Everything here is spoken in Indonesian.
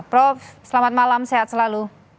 prof selamat malam sehat selalu